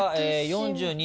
４２